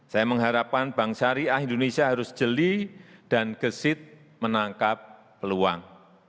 saya mengharapkan bank syariah indonesia harus jeli dan gesit menangkap peluang